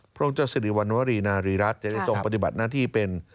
พระองค์เจ้าสิริวัณวรีนารีรัฐจะได้จงปฏิบัติหน้าที่เป็น